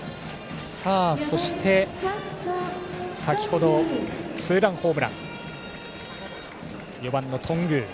さあ、そして先程ツーランホームランの４番の頓宮。